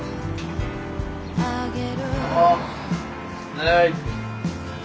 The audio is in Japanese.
はい。